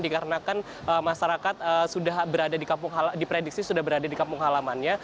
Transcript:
dikarenakan masyarakat sudah berada di kampung halaman